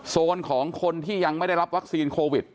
โซนของคนที่ยังไม่ได้รับวัคซีนโควิด